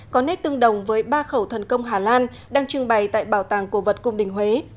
có nét tương đồng với ba khẩu thần công hà lan đang trưng bày tại bảo tàng cổ vật cung đình huế